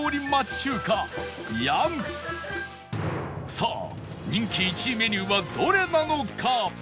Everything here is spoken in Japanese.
さあ人気１位メニューはどれなのか？